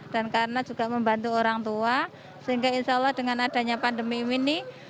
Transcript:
karena juga membantu orang tua sehingga insya allah dengan adanya pandemi ini